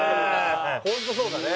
ホントそうだね。